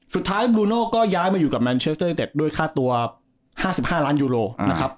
สุดท้ายบลูโน่ก็ย้ายมาอยู่กับแมนเชสเตอร์เต็ดด้วยค่าตัว๕๕ล้านยูโรนะครับ